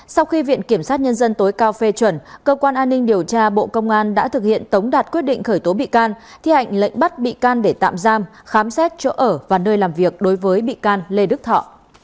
sau khi viện kiểm sát nhân dân tối cao phê chuẩn cơ quan an ninh điều tra bộ công an đã thực hiện tống đạt quyết định khởi tố bị can thi hành lệnh bắt bị can để tạm giam khám xét chỗ ở và nơi làm việc đối với bị can lê đức thọ